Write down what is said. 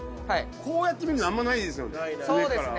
こうやって見るのあんまないですよね上から。